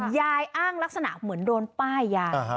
อ้างลักษณะเหมือนโดนป้ายยา